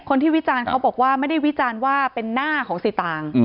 คนที่วิจารเขาบอกว่าไม่ได้วิจารว่าเป็นหน้าของสิตาร